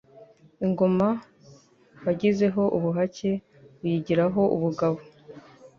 Ingoma wagizeho ubuhake uyigiraho n'ubugabo :